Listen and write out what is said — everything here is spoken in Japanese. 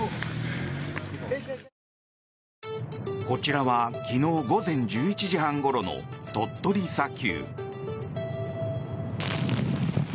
こちらは昨日午前１１時半ごろの鳥取砂丘。